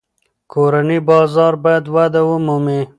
کورني بازار باید وده ومومي.